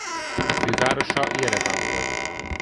Fővárosa Jereván volt.